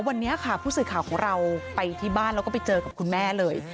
วันนี้ค่ะผู้สื่อข่าวของเราไปที่บ้านแล้วก็ไปเจอกับคุณแม่เลย